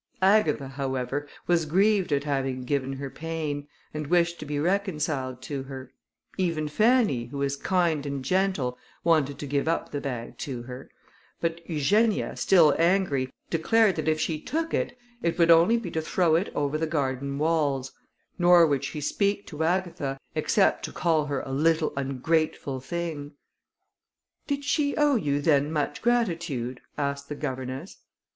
Agatha, however, was grieved at having given her pain, and wished to be reconciled to her; even Fanny, who was kind and gentle, wanted to give up the bag to her; but Eugenia, still angry, declared that if she took it, it would only be to throw it over the garden walls; nor would she speak to Agatha, except to call her a little ungrateful thing. "Did she owe you then much gratitude?" asked the governess.